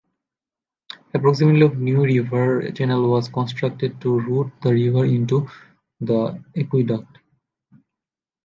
Approximately of new river channel was constructed to route the river into the aqueduct.